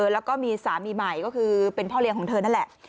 แล้วก็มีสามีใหม่ก็คือเป็นพ่อเลี้ยงของเธอนั่นแหละ